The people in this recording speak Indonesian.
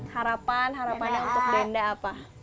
harapan harapannya untuk denda apa